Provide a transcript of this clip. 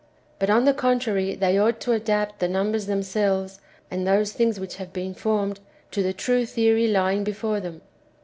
But, on the contrary, they ought to adapt the numbers them selves, and those things which have been formed, to the true theory lying before them.